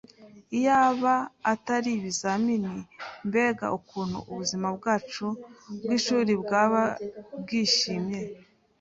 Iyaba atari ibizamini, mbega ukuntu ubuzima bwacu bwishuri bwaba bwishimye!